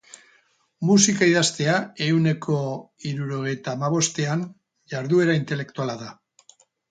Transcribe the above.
Musika idaztea, ehuneko hirurogeita hamabostean, jarduera intelektuala da.